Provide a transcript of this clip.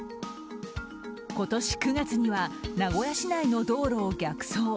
今年９月には名古屋市内の道路を逆走。